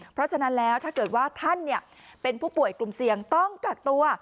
เพราะฉะนั้นแล้วถ้าเกิดว่าท่านเป็นผู้ป่วยกลุ่มเสี่ยงต้องกักตัว